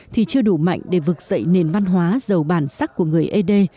thì chưa đủ mạnh để vực dậy nền văn hóa giàu bản sắc của người ế đê